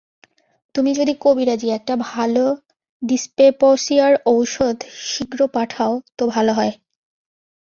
তুমি যদি কবিরাজী একটা ভাল ডিস্পেপসিয়ার ঔষধ শীঘ্র পাঠাও তো ভাল হয়।